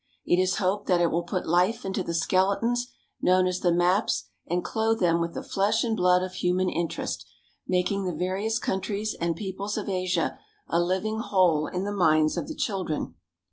It is hoped that it will put life into the skeletons known as the maps and clothe them with the flesh and blood of human interest, making the various countries and peoples of Asia a living whole in the minds of the children.